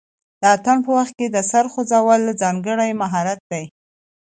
د اتن په وخت کې د سر خوځول ځانګړی مهارت دی.